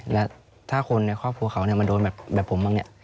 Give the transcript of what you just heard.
แล้วถ้าคนในครอบครัวเขามาโดนแบบผมบ้างเนี่ย